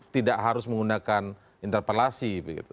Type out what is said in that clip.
tidak harus menggunakan interpelasi